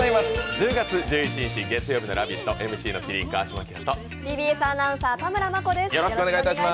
１０月１１日月曜日の「ラヴィット！」、ＭＣの麒麟・川島明とＴＢＳアナウンサー田村真子です。